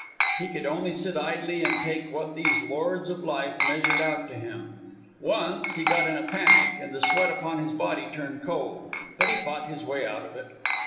He could only sit idly and take what these lords of life measured out to him. Once, he got in a panic, and the sweat upon his body turned cold; but he fought his way out of it.